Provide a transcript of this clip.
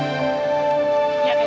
aku ingin mencobanya